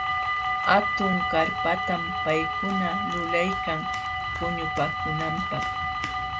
Hatun karpatam paykuna lulaykan puñupaakunanpaq.